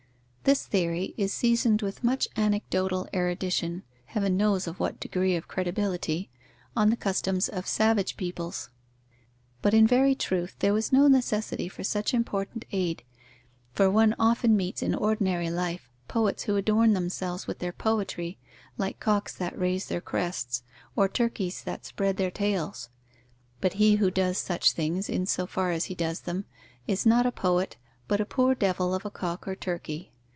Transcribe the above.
This theory is seasoned with much anecdotal erudition, Heaven knows of what degree of credibility! on the customs of savage peoples. But in very truth there was no necessity for such important aid, for one often meets in ordinary life poets who adorn themselves with their poetry, like cocks that raise their crests, or turkeys that spread their tails. But he who does such things, in so far as he does them, is not a poet, but a poor devil of a cock or turkey.